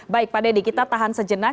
baik pak dedy kita tahan sejenak